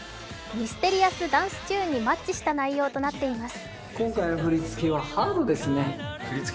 ミステリアスダンスチューンにマッチした内容となっています。